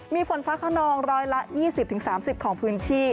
มีฝนฟ้าขนองร้อยละ๒๐๓๐ของพื้นที่